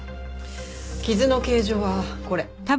傷の形状はこれ。